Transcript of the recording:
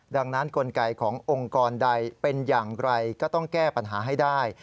ดังนั้นกลไกขององค์กรใดเป็นอย่างไรก็ต้องแก้ปัญหาให้ได้